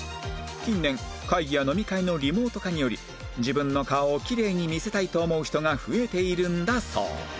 近年会議や飲み会のリモート化により自分の顔をきれいに見せたいと思う人が増えているんだそう